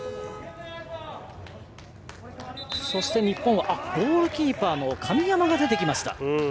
日本、ゴールキーパーの神山が出てきました。